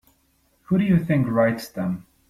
Who do you think writes them?